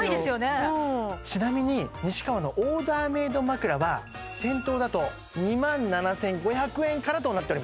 うんちなみに西川のオーダーメード枕は店頭だと２万７５００円からとなっております